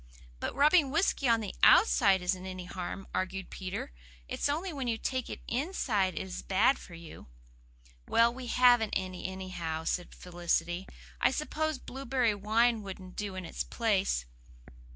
"But rubbing whisky on the OUTSIDE isn't any harm," argued Peter. "It's only when you take it inside it is bad for you." "Well, we haven't any, anyhow," said Felicity. "I suppose blueberry wine wouldn't do in its place?"